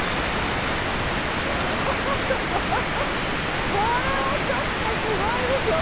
ちょっとこれこれはちょっとすごいですよ！